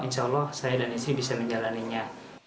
insya allah saya dan istri bisa menjalannya